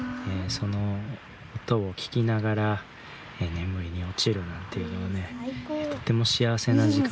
その音を聞きながら眠りに落ちるなんていうのはねとても幸せな時間ですね。